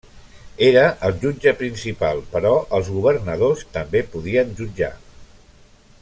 Era el jutge principal però els governadors també podien jutjar.